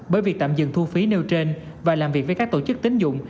bởi việc tạm dừng thu phí nêu trên và làm việc với các tổ chức tính dụng